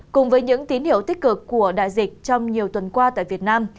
cùng với những tín hiệu tích cực của đại dịch trong nhiều tuần qua tại việt nam